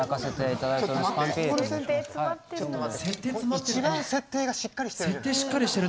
一番設定がしっかりしてる！